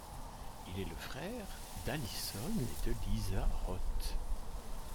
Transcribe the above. Il est le frère d’Alison et de Lisa Roth.